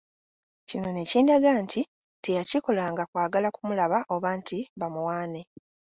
Kino ne kindaga nti teyakikolanga kwagala kumulaba oba nti bamuwaane.